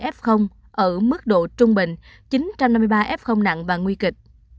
ba sáu trăm linh hai f ở mức độ trung bình chín trăm năm mươi ba f nặng và nguy kịch